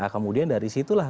kemudian dari situlah